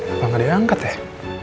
apa gak dia angkat ya